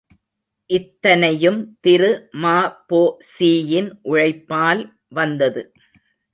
இத்தனையும் திரு ம.பொ.சியின் உழைப்பால் வந்தது.